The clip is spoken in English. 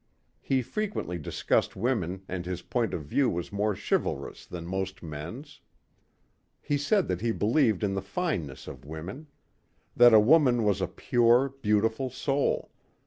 He frequently discussed women and his point of view was more chivalrous than most men's. He said that he believed in the fineness of women. That a woman was a pure, beautiful soul.